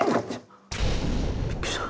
びっくりした。